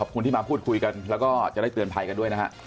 ขอบคุณที่มาพูดคุยกันแล้วก็จะได้เตือนภัยกันด้วยนะฮะ